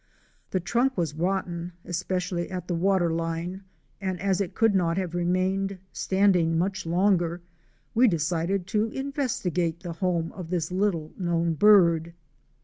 The trunk was rotten, espe cially at the water line, and as it could not have remained standing much longer, we decided to investigate the home of this little known bird.